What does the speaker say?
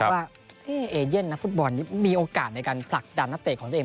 ว่าเอเย่นฟุตบอลมีโอกาสปลักษณ์นักเตะของตัวเอง